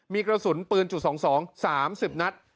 มีกระสุนปืนจุด๒๒สามสิบนัด